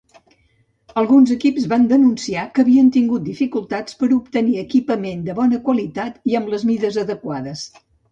Alguns equips van denunciar que havien tingut dificultats per obtenir equipament de bona qualitat i amb les mides adequades.